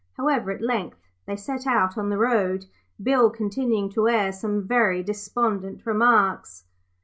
However, at length they set out on the road, Bill continuing to air some very despondent remarks.